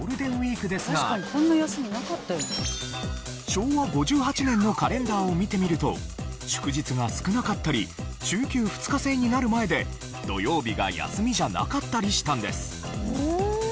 昭和５８年のカレンダーを見てみると祝日が少なかったり週休２日制になる前で土曜日が休みじゃなかったりしたんです。